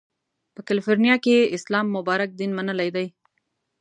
په کالیفورنیا کې یې اسلام مبارک دین منلی دی.